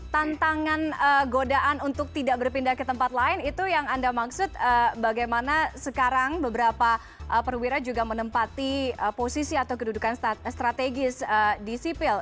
tantangan godaan untuk tidak berpindah ke tempat lain itu yang anda maksud bagaimana sekarang beberapa perwira juga menempati posisi atau kedudukan strategis di sipil